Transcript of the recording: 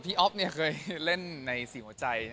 กับพี่ออฟเนี่ยเคยเล่นในสิ่งหัวใจ